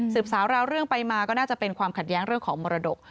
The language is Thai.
สาวราวเรื่องไปมาก็น่าจะเป็นความขัดแย้งเรื่องของมรดก